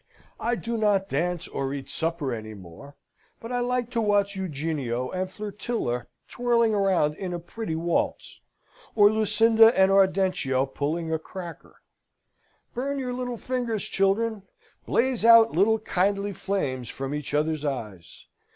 I do not dance, or eat supper any more; but I like to watch Eugenio and Flirtilla twirling round in a pretty waltz, or Lucinda and Ardentio pulling a cracker. Burn your little fingers, children! Blaze out little kindly flames from each other's eyes!